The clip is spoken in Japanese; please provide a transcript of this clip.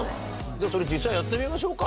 じゃあそれ実際やってみましょうか。